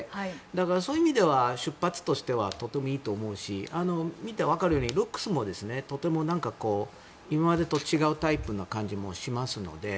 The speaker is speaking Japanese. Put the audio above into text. だから、そういう意味では出発としてはとてもいいと思うし見て分かるようにルックスもとても、今までと違うタイプな感じもするので。